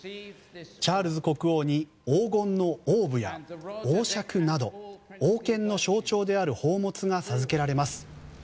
チャールズ国王に黄金のオーブや王笏など王権の象徴である宝物が授けられます。